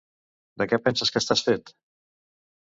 De què penses que estàs fet?